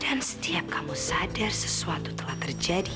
dan setiap kamu sadar sesuatu telah terjadi